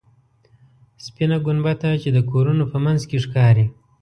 سپینه ګنبده چې د کورونو په منځ کې ښکاري.